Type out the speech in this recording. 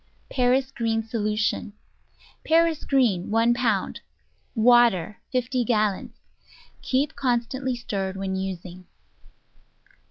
Paris green Solution Paris green 1 pound Water 50 gallons Keep constantly stirred when using.